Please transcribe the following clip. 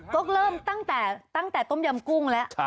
ต้องเริ่มตั้งแต่ต้มยำกุ้งแล้ว